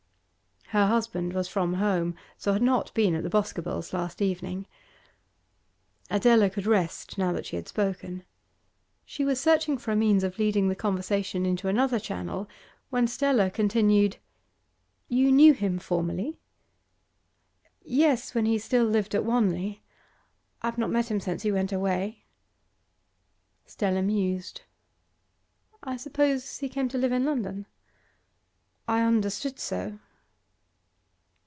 Her husband was from home, so had not been at the Boscobels' last evening. Adela could rest now that she had spoken. She was searching for a means of leading the conversation into another channel, when Stella continued, 'You knew him formerly?' 'Yes, when he still lived at Wanley. I have not met him since he went away.' Stella mused. 'I suppose he came to live in London?' 'I understood so.